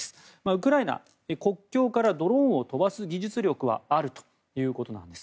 ウクライナ、国境からドローンを飛ばす技術力はあるということなんです。